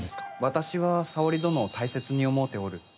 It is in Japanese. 私は沙織殿を大切に思うておる。